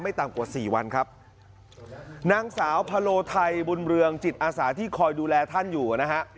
ต่ำกว่าสี่วันครับนางสาวพะโลไทยบุญเรืองจิตอาสาที่คอยดูแลท่านอยู่นะฮะ